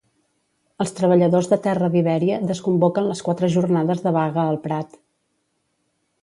Els treballadors de terra d'Iberia desconvoquen les quatre jornades de vaga al Prat.